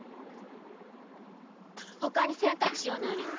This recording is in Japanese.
他に選択肢はない。